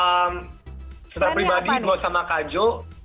ehm setelah pribadi gue sama kak jo